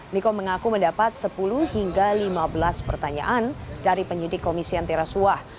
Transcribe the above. niko mengaku mendapat sepuluh hingga lima belas pertanyaan dari penyidik komisi antirasuah